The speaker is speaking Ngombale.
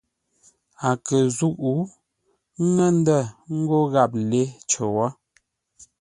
A kə̂ nzúʼ ńŋə́ ndə̂ ńgó gháp lê cər wó.